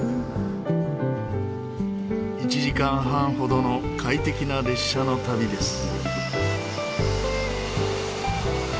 １時間半ほどの快適な列車の旅です。